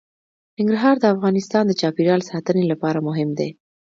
ننګرهار د افغانستان د چاپیریال ساتنې لپاره مهم دي.